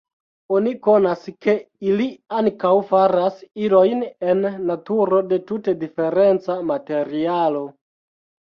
Oni konas, ke ili ankaŭ faras ilojn en naturo de tute diferenca materialo.